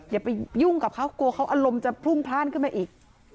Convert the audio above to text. อย่าไปยุ่งกับเขากลัวเขาอารมณ์จะพรุ่งพลาดขึ้นมาอีก